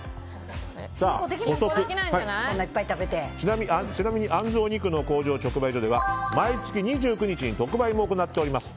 ちなみにあんずお肉の工場直売所では毎月２９日に特売を行っております。